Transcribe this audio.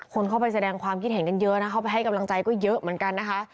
คนเข้าไปแสดงความคิดเห็นกันเยอะนะเข้าไปให้กำลังใจก็เยอะเหมือนกันนะคะ